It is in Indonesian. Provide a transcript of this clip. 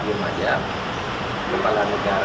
yang diperlukan yang diperlakukan